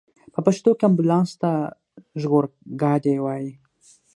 په پښتو کې امبولانس ته ژغورګاډی وايي.